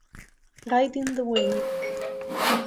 Riding the Wave